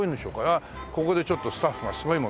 ここでちょっとスタッフがすごいもの作りました。